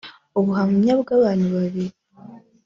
ubuhamya bw abantu babiri